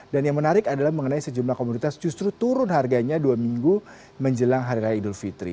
yang menarik adalah mengenai sejumlah komunitas justru turun harganya dua minggu menjelang hari raya idul fitri